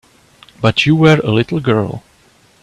But you were a little girl.